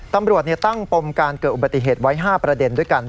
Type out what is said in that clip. ตำรวจตั้งปมการเกิดอุบัติเหตุไว้๕ประเด็นด้วยกัน